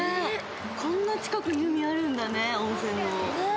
こんな近くに海あるんだね、温泉の。